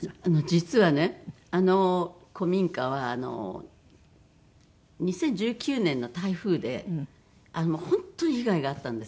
実はねあの古民家は２０１９年の台風で本当に被害があったんです。